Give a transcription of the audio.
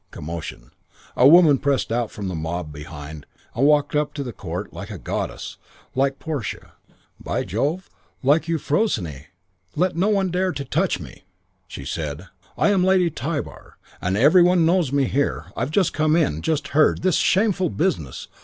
"Commotion. A woman pressed out from the mob behind and walked up the court like a goddess, like Portia, by Jove, like Euphrosyne. 'Let no one dare to touch me,' she said. 'I am Lady Tybar. Every one knows me here. I've just come in. Just heard. This shameful business.